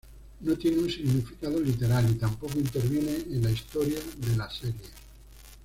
No tiene un significado literal, y tampoco interviene en la historia de la serie.